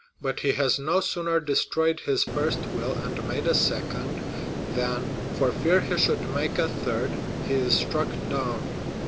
But he has no sooner destroyed his first will and made a second, than, for fear he should make a third, he is struck down.